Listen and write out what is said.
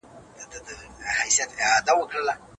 انسان په خوی او خصلت پیژندل کیږي.